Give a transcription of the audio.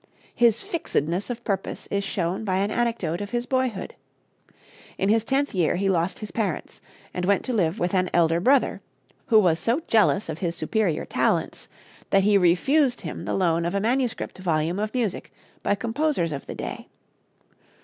His fixedness of purpose is shown by an anecdote of his boyhood. In his tenth year he lost his parents and went to live with an elder brother, who was so jealous of his superior talents that he refused him the loan of a manuscript volume of music by composers of the day.